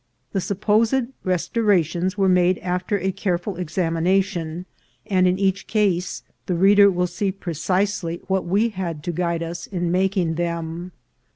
The supposed restorations were made after a careful ex amination, and in each case the reader will see precisely what we had to guide us in making them.